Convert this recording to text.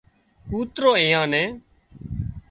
ڪوترو ايئان نين